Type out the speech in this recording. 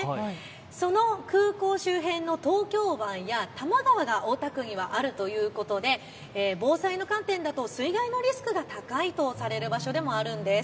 その空港周辺の東京湾や多摩川が大田区にはあるということで防災の観点だと水害のリスクが高いとされる場所でもあるんです。